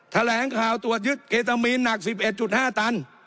แถลงข่าวตรวจยึดเกตามีนหนักสิบเอ็ดจุดห้าตัน